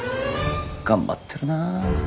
頑張ってるな。